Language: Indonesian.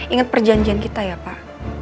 ingat perjanjian kita ya pak